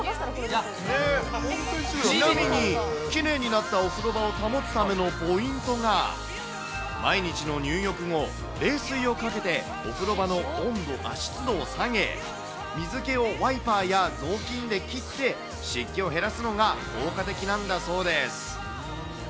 ちなみに、きれいになったお風呂場を保つためのポイントが、毎日の入浴後、冷水をかけてお風呂場の湿度を下げ、水けをワイパーや雑巾できって、湿気を減らすのが効果的なんだそうです。